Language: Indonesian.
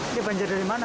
ini banjir dari mana